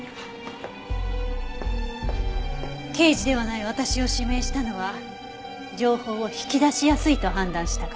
刑事ではない私を指名したのは情報を引き出しやすいと判断したから。